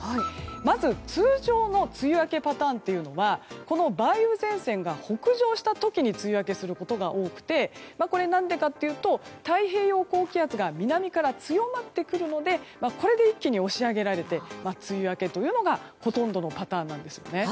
まず通常の梅雨明けパターンは梅雨前線が北上した時に梅雨明けすることが多くて何でかというと太平洋高気圧が南から強まってくるのでこれで一気に押し上げられて梅雨明けというのがほどんとのパターンなんです。